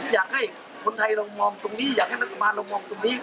อยากให้คนไทยเรามองตรงนี้อยากให้รัฐบาลเรามองตรงนี้